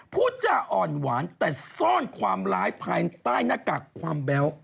พูดจาอ่อนหวานแต่ซ่อนความร้ายภายใต้หน้ากากความแบ๊ว